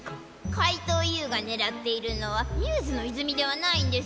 かいとうＵがねらっているのはミューズのいずみではないんですの？